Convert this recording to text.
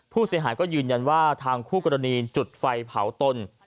ผู้เสียหายก็ยืนยันว่าทางคู่กรณีจุดไฟเผาตน